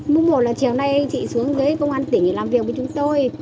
mức một là chiều nay chị xuống ghế công an tỉnh làm việc với chúng tôi